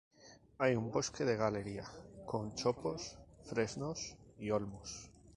Hay un bosque de galería con chopos, fresnos y olmos.